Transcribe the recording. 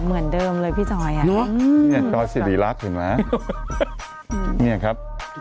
เหมือนเดิมเลยพี่จอยอ่ะนี่นี่จอดซีรีย์รักเห็นไหมนี่ครับ